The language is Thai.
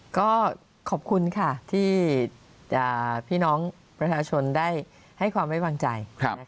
ก็ขอบคุณค่ะที่พี่น้องประชาชนได้ให้ความไว้วางใจ